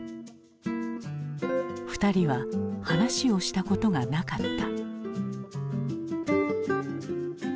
２人は話をしたことがなかった。